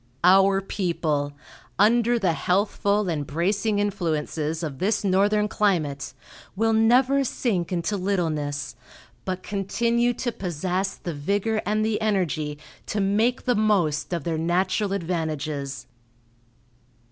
Our people, under the healthful and bracing influences of this northern climate, will never sink into littleness, but continue to possess the vigor and the energy to make the most of their natural advantages."